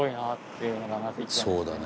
「そうだね。